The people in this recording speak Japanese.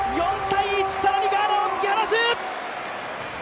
４−１、更にガーナを突き放す！